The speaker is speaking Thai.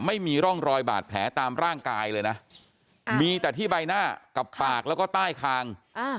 ไม่มีร่องรอยบาดแผลตามร่างกายเลยนะมีแต่ที่ใบหน้ากับปากแล้วก็ใต้คาง